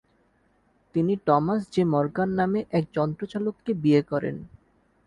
তিনি Thomas J Morgan নামে এক যন্ত্রচালক কে বিয়ে করেন।